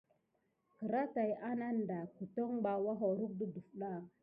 Kraà tät anadan keto ɓa hokorho de defta.